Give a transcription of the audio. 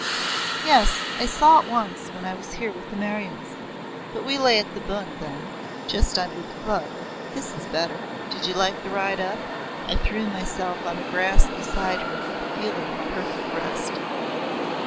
"Yes, I saw it once when I was here with the Meryons. But we lay at the Bund then just under the Club. This is better. Did you like the ride up?" I threw myself on the grass beside her with a feeling of perfect rest.